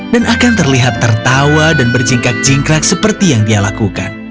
dan akan terlihat tertawa dan berjingkak jingkrak seperti yang dia lakukan